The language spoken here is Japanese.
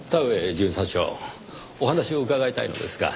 巡査長お話を伺いたいのですが。